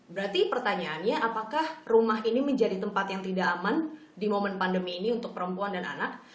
berarti pertanyaannya apakah rumah ini menjadi tempat yang tidak aman di momen pandemi ini untuk perempuan dan anak